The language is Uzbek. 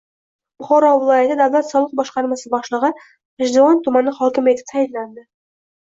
Buxoro viloyati davlat soliq boshqarmasi boshlig‘i G‘ijduvon tumani hokimi etib tayinlandi